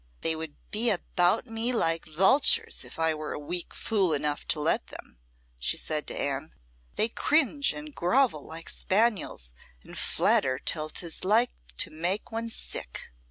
"They would be about me like vultures if I were weak fool enough to let them," she said to Anne. "They cringe and grovel like spaniels, and flatter till 'tis like to make one sick.